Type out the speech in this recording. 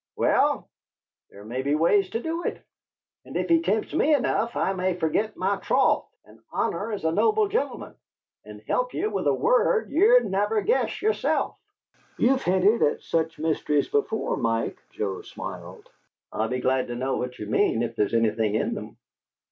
Well there may be ways to do it; and if he tempts me enough, I may fergit my troth and honor as a noble gentleman and help ye with a word ye'd never guess yerself." "You've hinted at such mysteries before, Mike," Joe smiled. "I'd be glad to know what you mean, if there's anything in them."